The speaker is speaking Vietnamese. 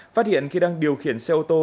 phát hiện khi đang điều khiển xe ô tô